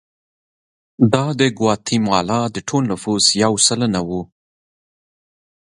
دا د ګواتیمالا د ټول نفوس یو سلنه وو.